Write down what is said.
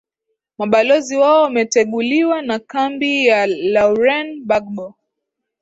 mabalozi wao wameteguliwa na kambi ya lauren bagbo